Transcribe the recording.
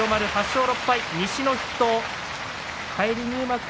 ８勝６敗、西の筆頭です。